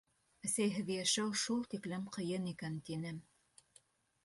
Әсәйһеҙ йәшәү шул тиклем ҡыйын икән. — тинем.